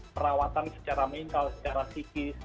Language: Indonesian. perawatan secara mental secara psikis